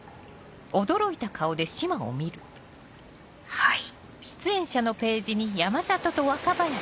はい。